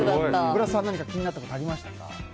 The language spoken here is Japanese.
小倉さんは何か気になったことありましたか？